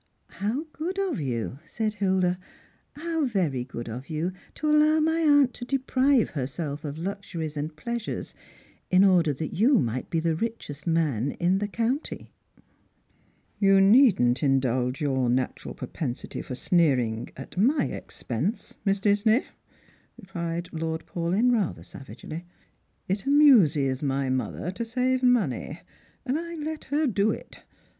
" How good of you !" said Hilda ;" how very good of you, to allow my aunt to deprive herself of luxuries and pleasures in order that you may be the richest man in the county !"" You needn't indulge your natural propensity for sneering, at my expense. Miss 'Disney," " replied Lord Paulyn rather savagely. " It amuses my mother to save money, and I let her do it.